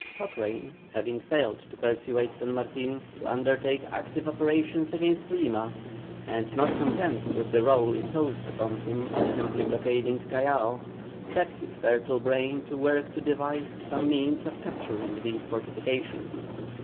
Cochrane, having failed to persuade San Martin to undertake active operations against Lima, and not content with the rôle imposed upon him of simply blockading Callao, set his fertile brain to work to devise some means of capturing these fortifications.